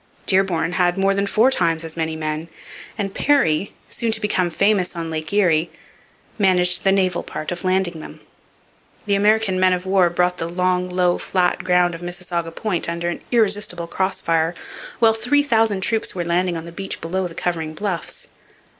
Dearborn had more than four times as many men; and Perry, soon to become famous on Lake Erie, managed the naval part of landing them. The American men of war brought the long, low, flat ground of Mississauga Point under an irresistible cross fire while three thousand troops were landing on the beach below the covering bluffs.